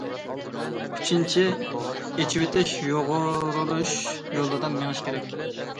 ئۈچىنچى، ئېچىۋېتىش، يۇغۇرۇلۇش يولىدا مېڭىش كېرەك.